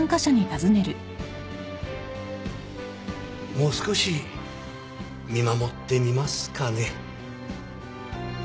もう少し見守ってみますかね。